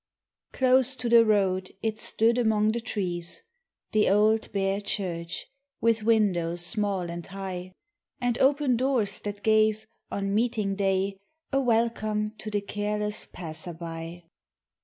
CLOSE to the road it stood among the trees, The old, bare church, with windows small and high, And open doors that gave, on meeting day, A welcome to the careless passer by.